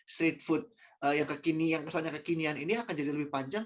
street food yang kesannya kekinian ini akan jadi lebih panjang